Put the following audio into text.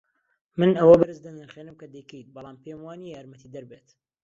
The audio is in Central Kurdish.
من ئەوە بەرز دەنرخێنم کە دەیکەیت، بەڵام پێم وانییە یارمەتیدەر بێت.